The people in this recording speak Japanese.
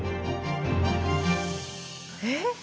えっ？